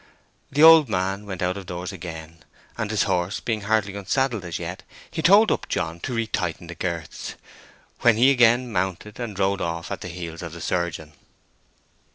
The old man went out of doors again; and his horse being hardly unsaddled as yet, he told Upjohn to retighten the girths, when he again mounted, and rode off at the heels of the surgeon.